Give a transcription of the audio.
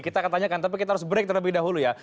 kita akan tanyakan tapi kita harus break terlebih dahulu ya